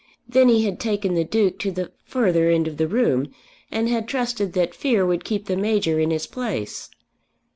Then he had taken the Duke to the further end of the room, and had trusted that fear would keep the Major in his place.